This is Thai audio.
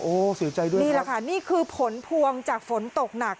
โอ้โหเสียใจด้วยนะนี่แหละค่ะนี่คือผลพวงจากฝนตกหนัก